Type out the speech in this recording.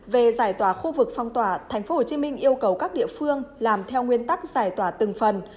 về giải tỏa khu vực phong tỏa tp hcm yêu cầu các địa phương làm theo nguyên tắc giải tỏa từng phần